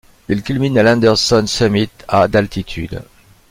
Ils culminent à l'Anderson Summit, à d'altitude.